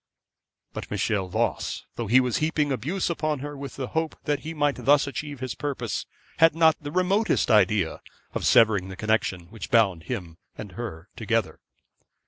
But Michel Voss, though he was heaping abuse upon her with the hope that he might thus achieve his purpose, had not the remotest idea of severing the connection which bound him and her together.